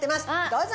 どうぞ。